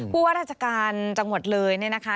ว่าราชการจังหวัดเลยเนี่ยนะคะ